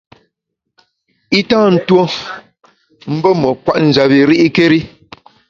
I tâ tuo mbù me kwet njap bi ri’kéri.